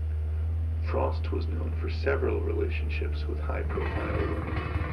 Frost was known for several relationships with high-profile women.